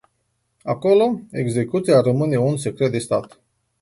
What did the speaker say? Acolo, execuția rămâne un secret de stat.